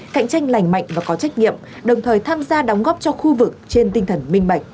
cạnh tranh lành mạnh và có trách nhiệm đồng thời tham gia đóng góp cho khu vực trên tinh thần minh bạch